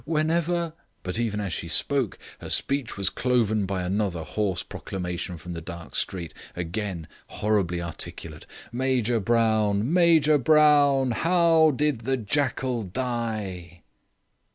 Whenever " But even as she spoke her speech was cloven by another hoarse proclamation from the dark street, again horribly articulate. "Major Brown, Major Brown, how did the jackal die?"